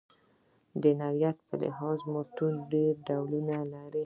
د نوعیت په لحاظ متون ډېر ډولونه لري.